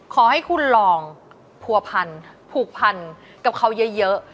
ขอให้คุณลองผัวพันผูกพันกับเขาเยอะ